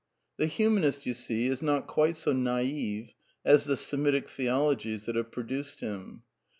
The humanist, you see, is not quite so naif as the ^^^.^ ^HSemitic theologies that have produced him.